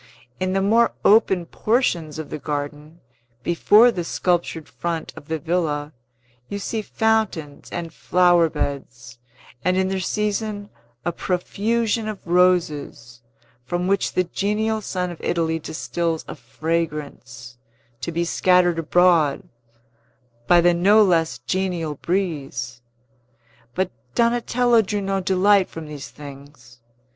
In the more open portions of the garden, before the sculptured front of the villa, you see fountains and flower beds, and in their season a profusion of roses, from which the genial sun of Italy distils a fragrance, to be scattered abroad by the no less genial breeze. But Donatello drew no delight from these things.